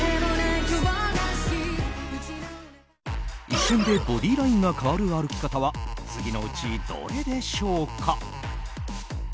一瞬でボディーラインが変わる歩き方は次のうちどれでしょうか？